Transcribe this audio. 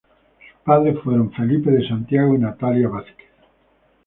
Sus padres fueron Felipe de Santiago y Natalia Vázquez.